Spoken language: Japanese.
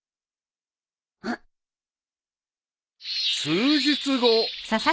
［数日後］